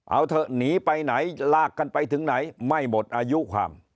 เอาเถอะหนีไปไหนลากกันไปถึงไหนไม่หมดอายุความ